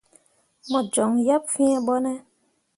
Mo joŋ yeb fee ɓone ?